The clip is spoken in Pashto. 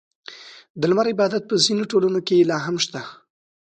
• د لمر عبادت په ځینو ټولنو کې لا هم شته.